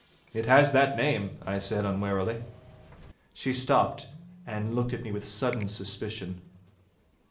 'It has that name,' said I, unwarily. She stopped and looked at me with sudden suspicion.